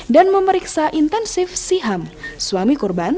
dan memeriksa intensif siham suami korban